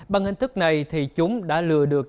bằng hình thức này thì chúng đã lừa được